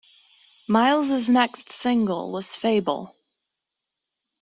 Miles' next single was "Fable".